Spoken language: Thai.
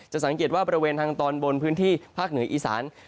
สังเกตว่าบริเวณทางตอนบนพื้นที่ภาคเหนืออีสาน